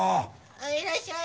はいいらっしゃい。